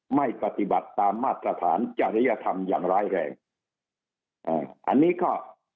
ไม่ปฏิบัติตามมาตรฐานจริยธรรมอย่างร้ายแรงอ่าอันนี้ก็